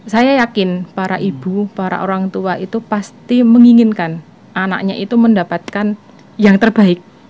saya yakin para ibu para orang tua itu pasti menginginkan anaknya itu mendapatkan yang terbaik